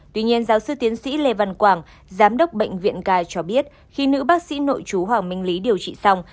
tuy nhiên giáo sư tiến sĩ lê văn quảng giám đốc bệnh viện k cho biết khi nữ bác sĩ nội chú hoàng minh lý điều trị xong